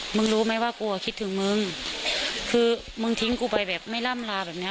รู้ไหมว่ากูอ่ะคิดถึงมึงคือมึงทิ้งกูไปแบบไม่ล่ำลาแบบเนี้ย